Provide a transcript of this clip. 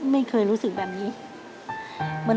มันเหมือนตัวเองมีค่า